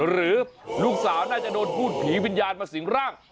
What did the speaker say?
หรือลูกสาวน่าจะโดนพูดผีวิญญาณมาสิงร่าง